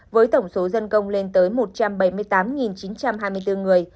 với tổng số dân công lên tới một trăm bảy mươi tám chín trăm hai mươi bốn người